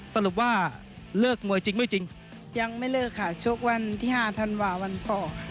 สรุปว่าเลิกมวยจริงไม่จริงยังไม่เลิกค่ะชกวันที่๕ธันวาวันพ่อ